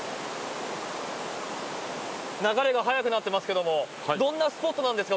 流れが速くなっていますけれども、どんなスポットなんですか？